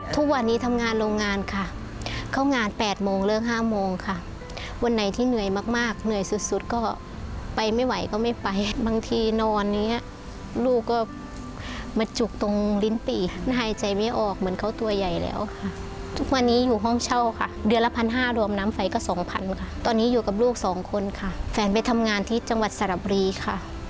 ทุกวันนี้ทำงานโรงงานค่ะเข้างาน๘โมงเลิก๕โมงค่ะวันไหนที่เหนื่อยมากเหนื่อยสุดสุดก็ไปไม่ไหวก็ไม่ไปบางทีนอนอย่างเงี้ยลูกก็มาจุกตรงลิ้นปี่หายใจไม่ออกเหมือนเขาตัวใหญ่แล้วค่ะทุกวันนี้อยู่ห้องเช่าค่ะเดือนละพันห้ารวมน้ำไฟก็สองพันค่ะตอนนี้อยู่กับลูกสองคนค่ะแฟนไปทำงานที่จังหวัดสระบุรีค่ะ